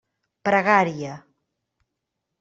Pregària.